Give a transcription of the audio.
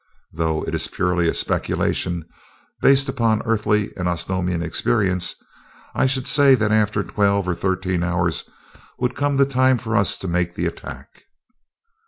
Though it is purely a speculation, based upon Earthly and Osnomian experience, I should say that after twelve or thirteen hours would come the time for us to make the attack."